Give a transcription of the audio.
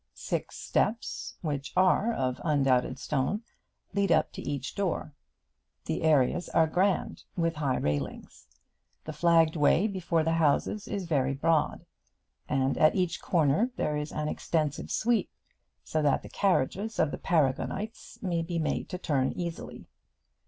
Six steps, which are of undoubted stone, lead up to each door. The areas are grand with high railings. The flagged way before the houses is very broad, and at each corner there is an extensive sweep, so that the carriages of the Paragonites may be made to turn easily.